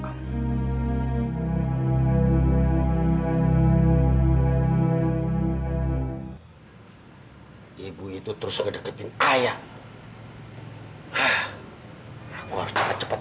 kau mau nanya kenapa